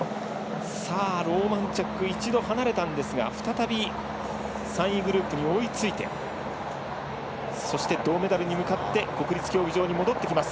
ローマンチャック一度離れたんですが再び３位グループに追いついてそして、銅メダルに向かって国立競技場に戻ってきます。